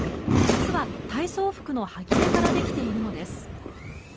実は体操服の端切れからできているのです。